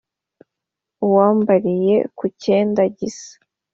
Uwambariye ku cyenda gisa?"